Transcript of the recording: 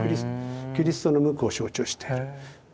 キリストの無垢を象徴している。